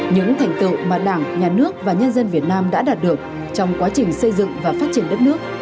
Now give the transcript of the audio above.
những thành tựu mà đảng nhà nước và nhân dân việt nam đã đạt được trong quá trình xây dựng và phát triển đất nước